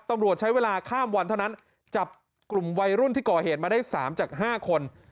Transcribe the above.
ตำรวจใช้เวลาข้ามวันเท่านั้นจับกลุ่มวัยรุ่นที่ก่อเหตุมาได้๓จาก๕คน